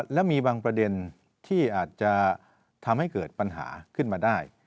และมีบางประเด็นที่อาจจะทำให้เกิดปัญหาขึ้นมาได้